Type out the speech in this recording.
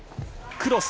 クロス。